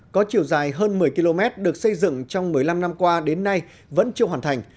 có chiều dài hơn một mươi km được xây dựng trong một mươi năm năm qua đến nay vẫn chưa hoàn thành